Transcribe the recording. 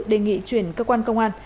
đề nghị truyền cơ quan công an